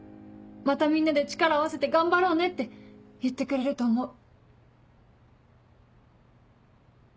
またみんなで力を合わせて頑張ろうねって言ってくれると思う。